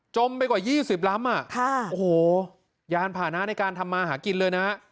จมไปกว่ายี่สิบล้ำค่ะโอ้โหยานผ่าน้าในการทำมาหากินเลยนะฮะ